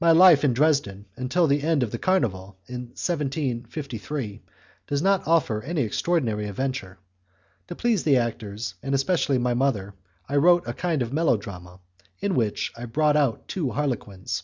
My life in Dresden until the end of the carnival in 1753 does not offer any extraordinary adventure. To please the actors, and especially my mother, I wrote a kind of melodrama, in which I brought out two harlequins.